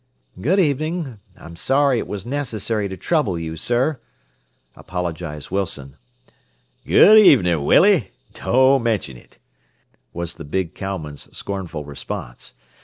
"Good evening. I'm sorry it was necessary to trouble you, sir," apologized Wilson. "Good evening, Willie. Don't mention it," was the big cowman's scornful response.